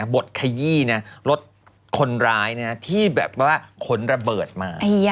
บดขยี้รถคนร้ายที่คนระเบิดมา